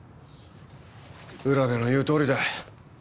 占部の言うとおりだ。